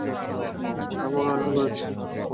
আমি অলরেডি অনলাইনে কিছু শাবল অর্ডার করেছি!